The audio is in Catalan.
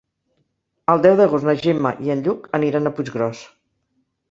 El deu d'agost na Gemma i en Lluc aniran a Puiggròs.